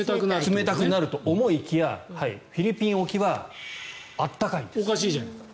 冷たくなると思いきやフィリピン沖は暖かいんです。